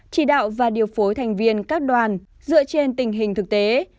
chỉ đạo và điều phối thành viên các đoàn dựa trên tình hình thực tế